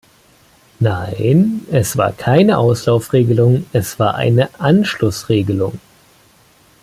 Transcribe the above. Nein, es war keine Auslaufregelung, es war eine Anschlussregelung.